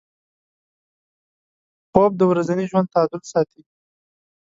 خوب د ورځني ژوند تعادل ساتي